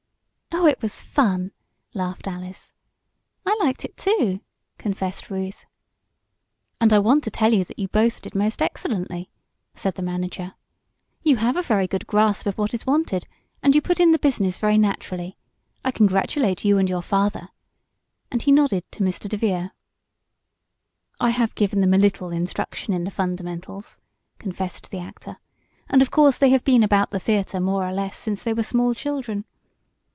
"Oh, it was fun!" laughed Alice. "I liked it, too," confessed Ruth. "And I want to tell you that you both did most excellently," said the manager. "You have a very good grasp of what is wanted, and you put in the 'business' very naturally. I congratulate you and your father," and he nodded to Mr. DeVere. "I have given them a little instruction in the fundamentals," confessed the actor, "and of course they have been about the theatre, more or less, since they were small children."